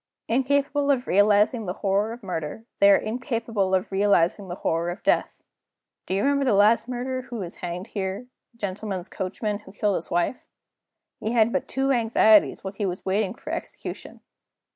Incapable of realizing the horror of murder, they are incapable of realizing the horror of death. Do you remember the last murderer who was hanged here a gentleman's coachman who killed his wife? He had but two anxieties while he was waiting for execution.